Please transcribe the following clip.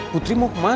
putri mau kemana